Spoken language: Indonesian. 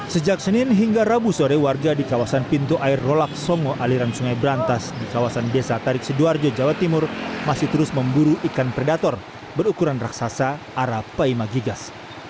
sejak senin hingga rabu sore warga di kawasan pintu air rolak songo aliran sungai berantas di kawasan desa tarik sidoarjo jawa timur masih terus memburu ikan predator berukuran raksasa arapaima gigas